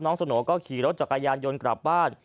สโน่ก็ขี่รถจักรยานยนต์กลับบ้าน